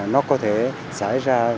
nó có thể xảy ra